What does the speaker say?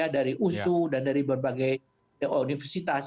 dari usu dan dari berbagai universitas